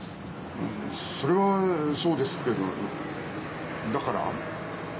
それはそうですけどだから？